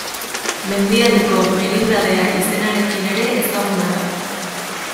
Mendialdeko merindadea izenarekin ere ezaguna da.